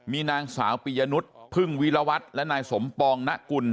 มีนางสาวปียนุษย์พึ่งวิรวัตรและนายสมปองณกุล